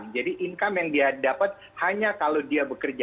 jadi income yang dia dapat hanya kalau dia bekerja